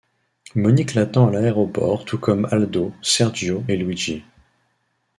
Monique l'attend à l'aéroport tout comme Aldo, Sergio et Luigi.